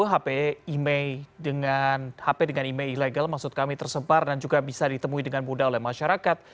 hp dengan email ilegal tersebar dan juga bisa ditemui dengan mudah oleh masyarakat